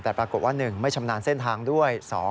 แต่ปรากฏว่า๑ไม่ชำนาญเส้นทางด้วย